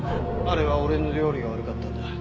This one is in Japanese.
あれは俺の料理が悪かったんだ。